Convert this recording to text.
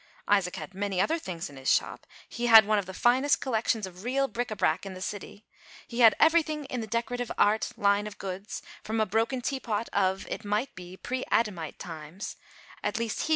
Isaac bad many other things in his shop. He had one of the finest collections of real bric a brac, in the city ; he had everything in the deco rative art line of goods, from a broken tea pot of, it might be, pre Adamite times (at least he 52 ALICE ; OR, THE WAGES OF SIN.